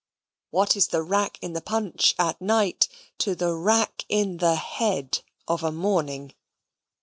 What is the rack in the punch, at night, to the rack in the head of a morning?